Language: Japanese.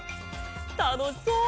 たのしそう！